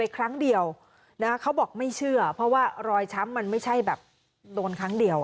ครั้งเดียวเขาบอกไม่เชื่อเพราะว่ารอยช้ำมันไม่ใช่แบบโดนครั้งเดียว